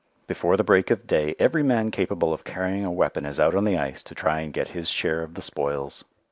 Before the break of day every man capable of carrying a weapon is out on the ice to try and get his share of the spoils.